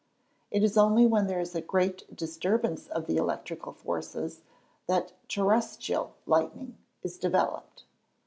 It is only when there is a great disturbance of the electrical forces, that terrestrial lightning is developed.